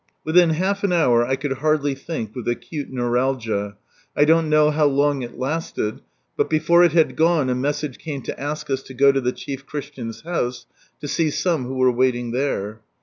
Within half an hour I could hardly think, with acute neuralgia. 1 don't know how long it lasted, but before it had gone a message came to ask us to go to the chief Christian's house, to see some who were waiting there.